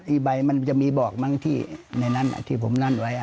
อีใบมันจะมีบอกมั้งที่ผมนั่นไว้